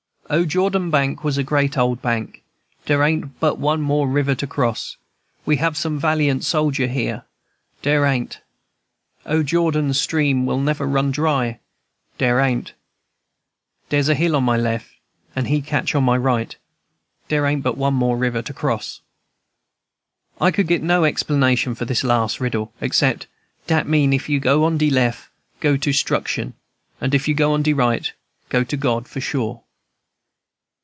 "O, Jordan bank was a great old bank, Dere ain't but one more river to cross. We have some valiant soldier here, Dere ain't, &c. O, Jordan stream will never run dry, Dere ain't, &c. Dere's a hill on my leff, and he catch on my right, Dere ain't but one more river to cross." I could get no explanation of this last riddle, except, "Dat mean, if you go on de leff, go to 'struction, and if you go on de right, go to God, for sure."